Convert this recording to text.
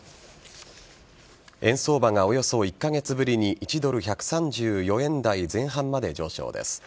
円相場がおよそ１カ月ぶりに１ドル１３４円台前半まで上昇です。